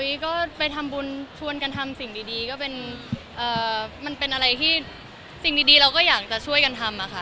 วันนี้ก็ไปทำบุญชวนกันทำสิ่งดีก็เป็นมันเป็นอะไรที่สิ่งดีเราก็อยากจะช่วยกันทำค่ะ